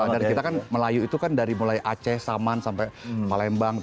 dan kita kan melayu itu kan mulai aceh saman sampai malembang